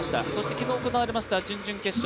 昨日行われました準々決勝